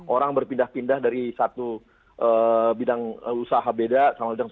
orang berpindah pindah dari satu bidang usaha beda sama udang